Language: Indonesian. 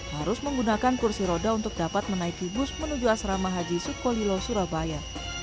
harus menggunakan kursi roda untuk dapat menaiki bus menuju asrama haji sukolilo surabaya